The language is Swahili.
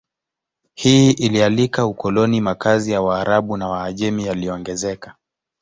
Hii ilialika ukoloni Makazi ya Waarabu na Waajemi yaliongezeka